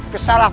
dan juga dengan